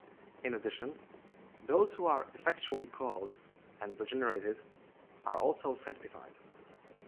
In addition, those who are effectually called and regenerated are also sanctified.